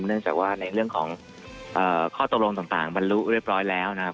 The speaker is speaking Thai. เนื่องจากว่าในเรื่องของข้อตกลงต่างบรรลุเรียบร้อยแล้วนะครับ